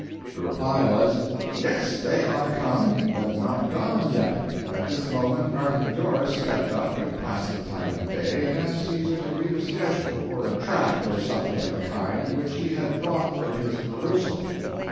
The reply was, "Yes, they are come, but not gone yet." At this moment Artemidorus stepped up and passed the time of day, and asked Caesar to read a schedule or a tract or something of the kind, which he had brought for his perusal.